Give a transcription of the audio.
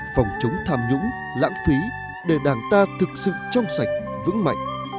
phòng chống tham nhũng lãng phí để đảng ta thực sự trong sạch vững mạnh